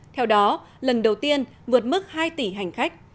theo đó lần đầu tiên vượt mức hai tỷ hành khách